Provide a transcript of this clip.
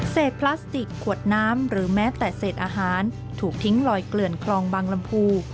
พลาสติกขวดน้ำหรือแม้แต่เศษอาหารถูกทิ้งลอยเกลื่อนคลองบางลำพู